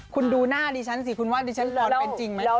คุณดูหน้าดิฉันสิคุณว่าดิฉันตอนเป็นจริงไหม